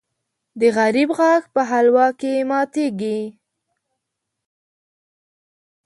د غریب غاښ په حلوا کې ماتېږي .